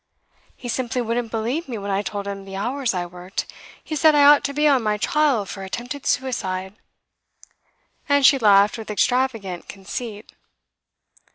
'He simply wouldn't believe me when I told him the hours I worked. He said I ought to be on my trial for attempted suicide!' And she laughed with extravagant conceit.